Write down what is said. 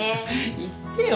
言ってよ